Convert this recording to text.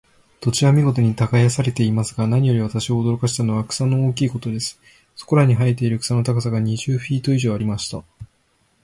土地は見事に耕されていますが、何より私を驚かしたのは、草の大きいことです。そこらに生えている草の高さが、二十フィート以上ありました。